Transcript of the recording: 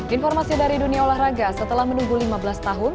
informasi dari dunia olahraga setelah menunggu lima belas tahun